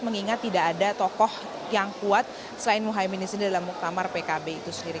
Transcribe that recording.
mengingat tidak ada tokoh yang kuat selain muhaymin ini sendiri dalam muktamar pkb itu sendiri